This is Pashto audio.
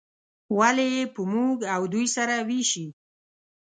ولې یې په موږ او دوی سره ویشي.